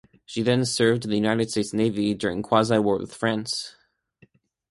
She then served in the United States Navy during Quasi-War with France.